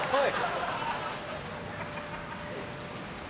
はい。